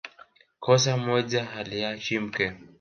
Kosa moja haliachi mke